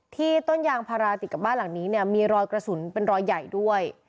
ต้นยางพาราติดกับบ้านหลังนี้เนี่ยมีรอยกระสุนเป็นรอยใหญ่ด้วย